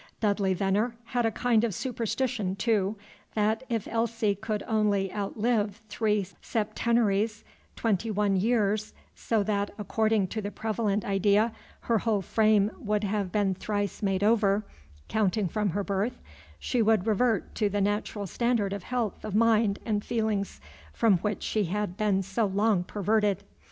Dudley Venner had a kind of superstition, too, that, if Elsie could only outlive three septenaries, twenty one years, so that, according to the prevalent idea, her whole frame would have been thrice made over, counting from her birth, she would revert to the natural standard of health of mind and feelings from which she had been so long perverted.